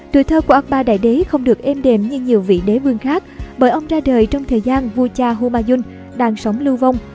tuổi thơ của akbar đại đế không được êm đềm như nhiều vị đế vương khác bởi ông ra đời trong thời gian vua cha humayun đang sống lưu vong